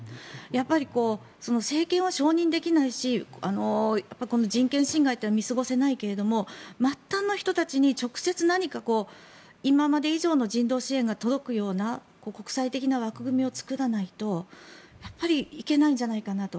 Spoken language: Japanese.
やっぱり政権は承認できないしこの人権侵害は見過ごせないけれども末端の人たちに直接何か今まで以上の人道支援が届くような国際的な枠組みを作らないといけないんじゃないかと。